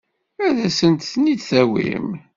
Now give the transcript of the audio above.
Ad asent-ten-id-tawim?